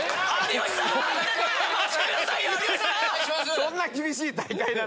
そんな厳しい大会なの？